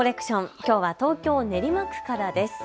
きょうは東京練馬区からです。